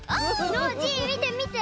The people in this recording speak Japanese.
ノージーみてみて！